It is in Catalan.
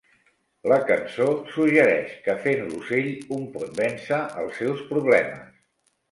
La cançó suggereix que "fent l'ocell", un pot vèncer els seus problemes.